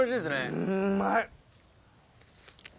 うんまい！